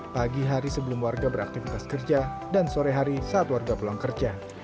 pagi hari sebelum warga beraktivitas kerja dan sore hari saat warga pulang kerja